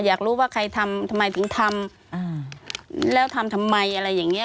อยากรู้ว่าใครทำทำไมถึงทำแล้วทำทำไมอะไรอย่างเงี้